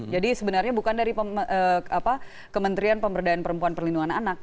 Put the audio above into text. jadi sebenarnya bukan dari kementerian pemberdayaan perempuan perlindungan anak